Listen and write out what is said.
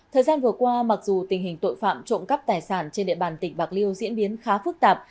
thời gian vừa qua mặc dù tình hình tội phạm trộm cắp tài sản trên địa bàn tỉnh bạc liêu diễn biến khá phức tạp